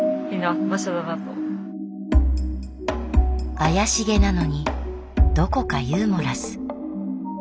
怪しげなのにどこかユーモラス。